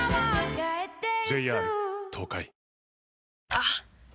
あっ！